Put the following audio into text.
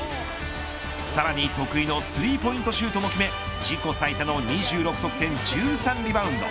さらに得意のスリーポイントシュートも決め自己最多の２６得点１３リバウンド。